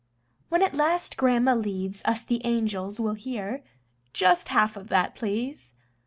When at last Grandma leaves us the angels will hear: "Just half of that, please."